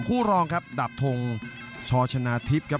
คู่รองครับดับทงชอชนาทิพย์ครับ